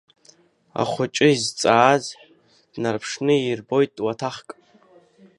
Ахәыҷы изҵааз днарԥшны иирбоит уаҭахк.